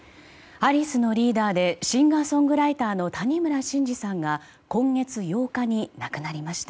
アリスのリーダーでシンガーソングライターの谷村新司さんが今月８日に亡くなりました。